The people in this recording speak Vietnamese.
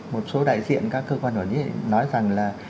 một số đại diện các cơ quan quản lý nói rằng là